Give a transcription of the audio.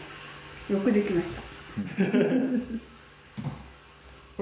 よくできました。